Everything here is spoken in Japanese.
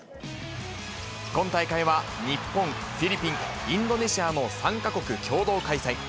今大会は、日本、フィリピン、インドネシアの３か国共同開催。